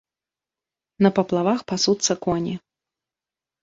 На паплавах пасуцца коні.